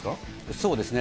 そうですね。